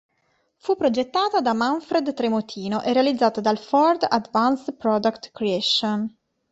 Fu progettata da Manfred Tremotino e realizzata dal Ford Advanced Product Creation.